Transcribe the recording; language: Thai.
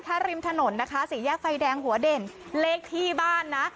ถ้าริมถนนนะคะสี่แยกไฟแดงหัวเด่นเลขที่บ้านนะ